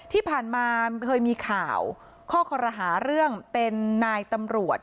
ที่ผ่านมาเคยมีข่าวข้อคอรหาเรื่องเป็นนายตำรวจ